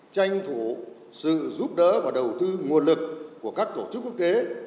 tranh thủ sự giúp đỡ và đầu tư nguồn lực của các tổ chức quốc tế